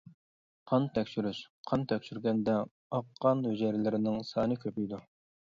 قان تەكشۈرۈش: قان تەكشۈرگەندە ئاق قان ھۈجەيرىلىرىنىڭ سانى كۆپىيىدۇ.